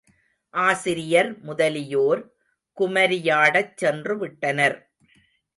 ஆசிரியர் முதலியோர் குமரியாடச் சென்றுவிட்டனர்.